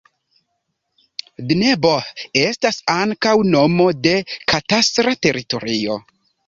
Dneboh estas ankaŭ nomo de katastra teritorio.